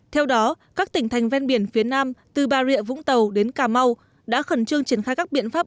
theo đó các tỉnh thành ven biển phía nam từ bà rịa vũng tàu đến cà mau đã khẩn trương triển khai các biện pháp